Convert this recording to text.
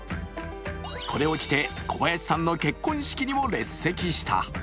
これを着て、小林さんの結婚式にも列席した。